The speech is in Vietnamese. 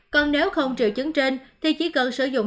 còn nếu không triệu chứng trên thì chỉ cần sử dụng